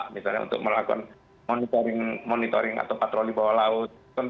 misalnya untuk melakukan monitoring atau patroli bawah laut